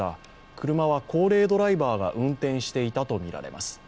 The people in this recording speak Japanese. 車は高齢ドライバーが運転していたとみられます。